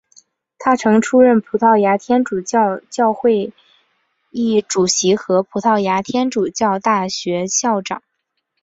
他曾出任葡萄牙天主教主教会议主席和葡萄牙天主教大学校长。